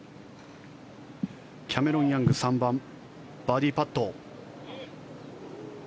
キャメロン・ヤング、３番バーディーパット。